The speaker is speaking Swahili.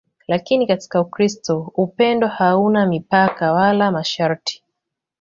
Lakini katika Ukristo upendo hauna mipaka wala masharti.